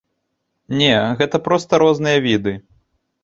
Не, гэта проста розныя віды.